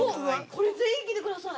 これ全員着てください。